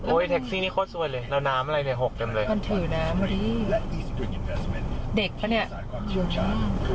โอ๊ยแท็กซี่นี่ขอดสวยเลยแล้วน้ำอะไรนี่หกเต็มเลยมาถือน้ำดิเด็กป่ะเนี่ย